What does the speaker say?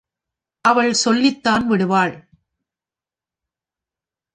அவள் சொல்லிதான் விடுவாள்.